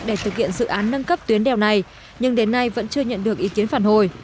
để thực hiện dự án nâng cấp tuyến đèo này nhưng đến nay vẫn chưa nhận được ý kiến phản hồi